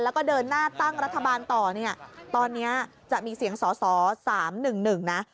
แล้วก็เดินหน้าตั้งรัฐบาลต่อเนี่ยตอนนี้จะมีเสียงสอสอ๓๑๑นะ